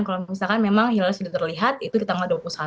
kalau misalkan memang hilal sudah terlihat itu di tanggal dua puluh satu